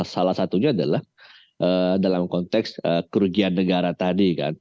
salah satunya adalah dalam konteks kerugian negara tadi kan